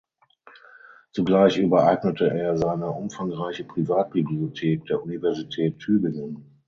Zugleich übereignete er seine umfangreiche Privatbibliothek der Universität Tübingen.